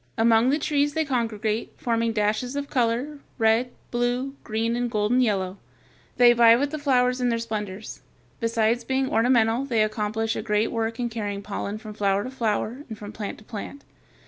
Among the trees they congregate, forming dashes of color, red, blue, green, and golden yellow. They vie with the flowers in their splendors; besides being ornamental they accomplish a great work in carrying pollen from flower to flower and from plant to plant.